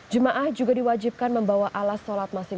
jemaah juga diwajibkan membawa alas sholat masing masing